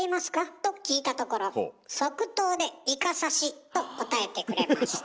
と聞いたところ即答で「イカ刺し」と答えてくれました。